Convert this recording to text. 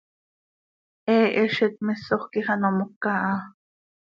He Hezitmisoj quij ano moca ha.